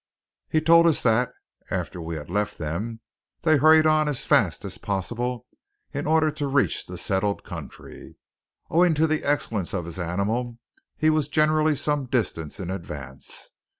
He told us that, after we had left them, they hurried on as fast as possible in order to reach the settled country. Owing to the excellence of his animal he was generally some distance in advance.